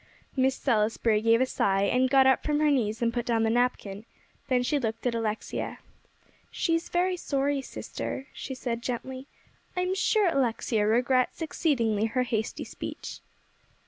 Miss Salisbury gave a sigh, and got up from her knees, and put down the napkin. Then she looked at Alexia. "She is very sorry, sister," she said gently. "I am sure Alexia regrets exceedingly her hasty speech."